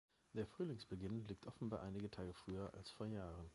Der Frühlingsbeginn liegt offenbar einige Tage früher als vor Jahren.